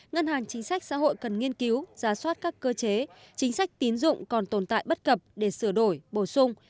ngân hàng chính sách xã hội cần nghiên cứu giả soát các cơ chế chính sách tín dụng còn tồn tại bất cập để sửa đổi bổ sung